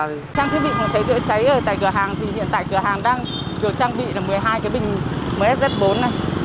trang thiết bị phòng cháy chữa cháy ở tại cửa hàng thì hiện tại cửa hàng đang được trang bị là một mươi hai cái bình ms bốn này